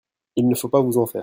Il ne faut pas vous en faire.